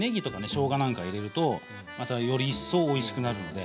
しょうがなんか入れるとまたより一層おいしくなるので。